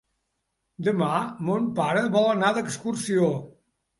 Demà mon pare vol anar d'excursió.